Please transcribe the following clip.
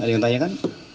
ada yang tanyakan